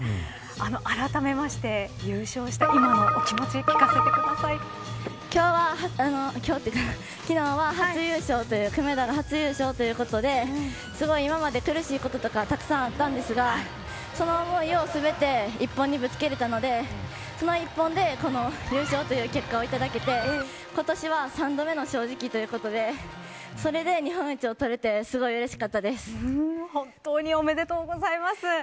あらためまして優勝した今のお気持ち昨日は、初優勝という久米田の初優勝ということで今まで苦しいこととかたくさんあったんですがその思いを全て一本にぶつけれたのでその一本で、この優勝という結果をいただけて今年は３度目の正直ということでそれで日本一を取れて本当におめでとうございます。